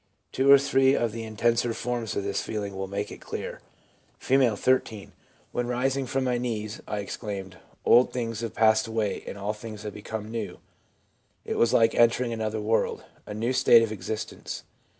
Two or three of the intenser forms of this feeling will make it clear : F., 13. 1 When rising from my knees, I exclaimed, " Old things have passed away, and all things have become new !" It was like entering another world — a new state of existence.